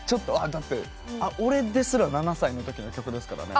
だって、俺ですら７歳のときの曲ですからね。